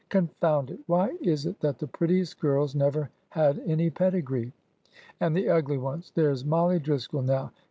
Confound it ! why is it that the prettiest girls never had any pedigree ? And the ugly ones ! There 's Mollie Driscoll, now.